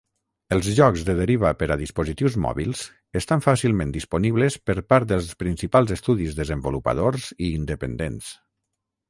Els jocs de deriva per a dispositius mòbils estan fàcilment disponibles per part dels principals estudis desenvolupadors i independents.